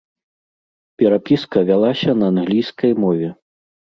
Перапіска вялася на англійскай мове.